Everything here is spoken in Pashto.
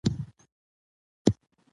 شننه روانه وه.